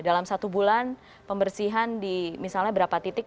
dalam satu bulan pembersihan di misalnya berapa titik